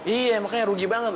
iya makanya rugi banget